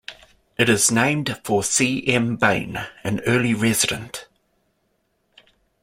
It is named for C. M. Bain, an early resident.